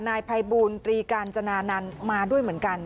นายภัยบูลตรีกาญจนานันต์มาด้วยเหมือนกัน